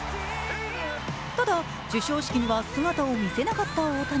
ただ、授賞式には姿を見せなかった大谷。